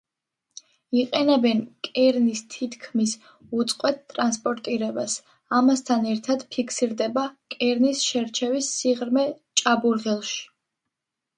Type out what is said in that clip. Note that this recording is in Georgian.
იყენებენ კერნის თითქმის უწყვეტ ტრანსპორტირებას; ამასთან ერთად, ფიქსირდება კერნის შერჩევის სიღრმე ჭაბურღილში.